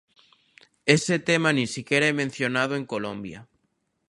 Ese tema nin sequera é mencionado en Colombia.